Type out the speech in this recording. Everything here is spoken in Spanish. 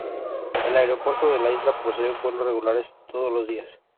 El aeropuerto de la isla posee vuelos regulares todos los días.